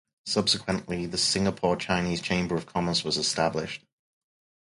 Subsequently, the Singapore Chinese Chamber of Commerce was established.